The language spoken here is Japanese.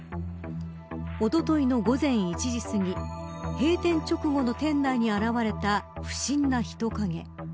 おとといの午前１時すぎ閉店直後の店内に現れた不審な人影。